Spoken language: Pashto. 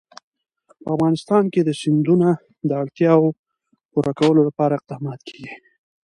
په افغانستان کې د سیندونه د اړتیاوو پوره کولو لپاره اقدامات کېږي.